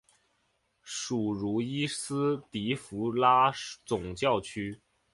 属茹伊斯迪福拉总教区。